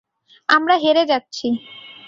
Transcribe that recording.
আমরা হেরে যাচ্ছি।